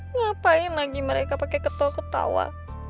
ngapain lagi mereka pakai ketol ketawa